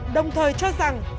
đồng thời cho rằng